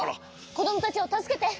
こどもたちをたすけて。